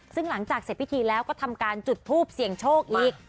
ซึ่งหลังจากเสร็จพิธีแล้วก็ทำการจุดทูปเสี่ยงโชคอีก